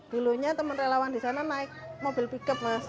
dulunya teman relawan di sana naik mobil pickup mas